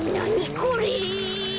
これ。